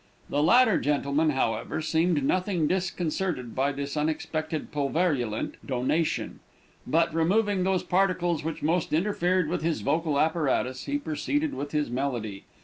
The latter gentleman, however, seemed nothing disconcerted by this unexpected pulverulent donation, but, removing those particles which most interfered with his vocal apparatus, he proceeded with his melody.